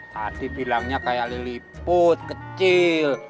tadi bilangnya kayak lili put kecil